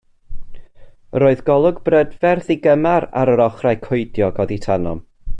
Yr oedd golwg brydferth ddigymar ar yr ochrau coediog oddi tanom.